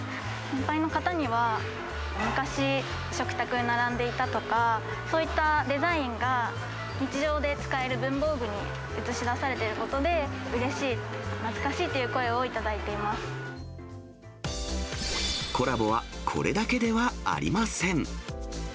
年配の方には、昔、食卓に並んでいたとか、そういったデザインが、日常で使える文房具に映し出されていることで、うれしい、懐かしコラボはこれだけではありません。